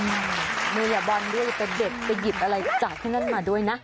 มึงอย่าบอลด้วยไปเด็ดไปหยิบอะไรจากข้างนั้นมาด้วยนะ